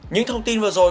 những thông tin vừa rồi